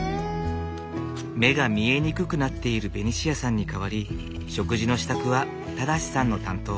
目が見えにくくなっているベニシアさんに代わり食事の支度は正さんの担当。